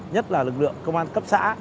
nhất là lực lượng công an cấp xã